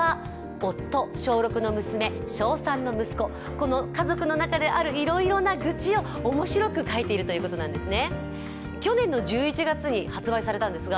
この家族の中である、いろいろな愚痴をおもしろく描いているということなんですね。